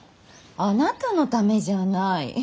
あなたのためじゃない。